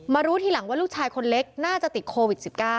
รู้ทีหลังว่าลูกชายคนเล็กน่าจะติดโควิด๑๙